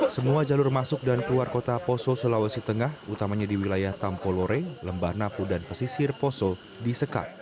semua jalur masuk dan keluar kota poso sulawesi tengah utamanya di wilayah tampolore lembah napu dan pesisir poso disekat